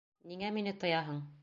Ниңә мине тыяһың?